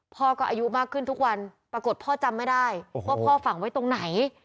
พ่อก็อายุมากขึ้นทุกวันปรากฏพ่อจำไม่ได้ว่าพ่อฝังไว้ตรงไหน